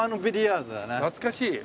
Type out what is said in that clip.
懐かしい！